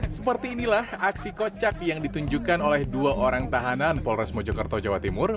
seperti inilah aksi kocak yang ditunjukkan oleh dua orang tahanan polres mojokerto jawa timur